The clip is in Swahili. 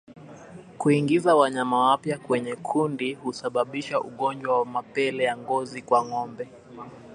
Kuingiza wanyama wapya kwenye kundi husababisha ungojwa wa mapele ya ngozi kwa ngombe